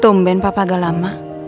tumben papa gelama